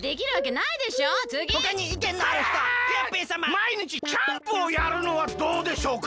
まいにちキャンプをやるのはどうでしょうか？